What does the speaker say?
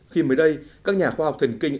khi mới đây các nhà khoa học thần kinh